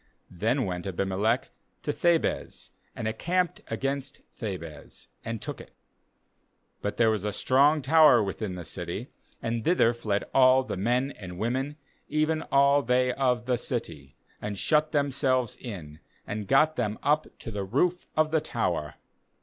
60Then went Abimelech to Thebez, and encamped against Thebez, and took it. 51But there was a strong tower within the city, and thither fled all the men and women, even all they of the city, and shut themselves in, and got them up to the roof of the tower.